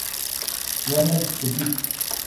Ya en el "Zutik!